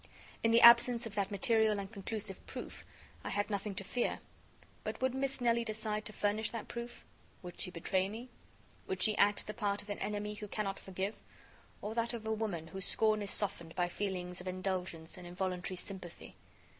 In the absence of that material and conclusive proof, I had nothing to fear; but would Miss Nelly decide to furnish that proof? Would she betray me? Would she act the part of an enemy who cannot forgive, or that of a woman whose scorn is softened by feelings of indulgence and involuntary sympathy?